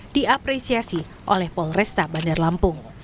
diapresiasi oleh polresta bandar lampung